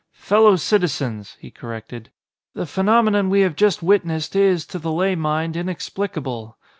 "Fellow citizens," he corrected, "the phenomenon we have just witnessed is, to the lay mind, inexplicable.